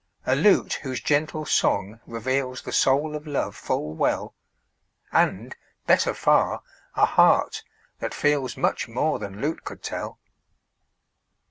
A lute whose gentle song reveals The soul of love full well; And, better far, a heart that feels Much more than lute could tell.